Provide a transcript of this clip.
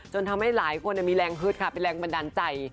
ทำให้หลายคนมีแรงฮึดค่ะเป็นแรงบันดาลใจ